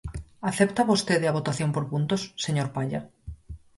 ¿Acepta vostede a votación por puntos, señor Palla?